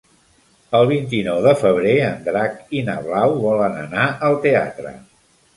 El vint-i-nou de febrer en Drac i na Blau volen anar al teatre.